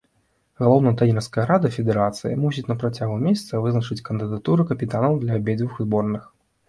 Галоўная трэнерская рада федэрацыі мусіць на працягу месяца вызначыць кандыдатуры капітанаў для абедзвюх зборных.